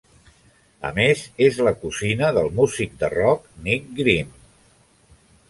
A més, és la cosina del músic de rock Nicke Green.